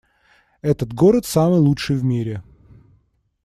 Этот город самый лучший в мире!